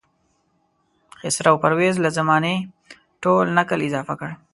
خسرو پرویز له زمانې ټول نکل اضافه کړ.